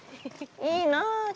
いいなあ。